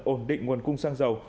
ổn định nguồn cung sang giàu